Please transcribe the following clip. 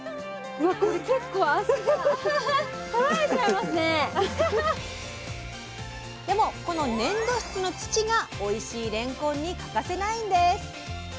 これ結構でもこの粘土質の土がおいしいれんこんに欠かせないんです。